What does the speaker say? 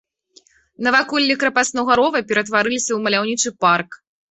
Наваколлі крапаснога рова ператварыліся ў маляўнічы парк.